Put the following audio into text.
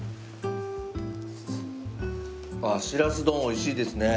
あっしらす丼おいしいですね。